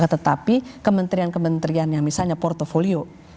tetapi kementerian kementerian yang misalnya portfolio